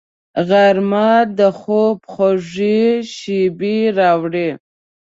غرمه د خوب خوږې شېبې راوړي